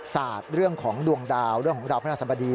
สาดเรื่องของดวงดาวเรื่องของดาวพระนาศัพท์ดี